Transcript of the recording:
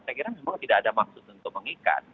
saya kira memang tidak ada maksud untuk mengikat